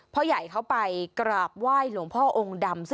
พ่อใหญ่เขาไปกราบไหว้หลวงพ่อองค์ดำ